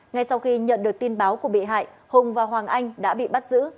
ngay sau khi nhận được tin báo của bị hại hùng và hoàng anh đã bị bắt giữ